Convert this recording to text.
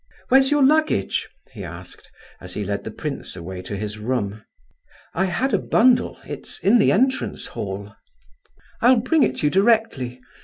"Where's your luggage?" he asked, as he led the prince away to his room. "I had a bundle; it's in the entrance hall." "I'll bring it you directly.